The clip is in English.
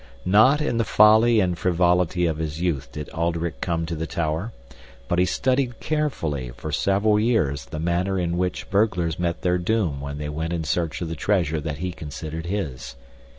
Not in the folly and frivolity of his youth did Alderic come to the tower, but he studied carefully for several years the manner in which burglars met their doom when they went in search of the treasure that he considered his.